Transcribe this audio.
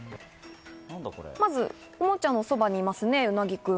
おもちゃのそばにいます、うなぎくん。